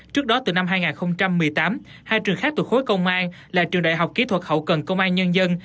trước đó từ năm hai nghìn một mươi tám hai trường khác thuộc khối công an là trường đại học kỹ thuật hậu cần công an nhân dân